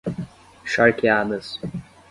Charqueadas